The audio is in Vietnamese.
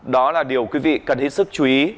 đó là điều quý vị cần hết sức chú ý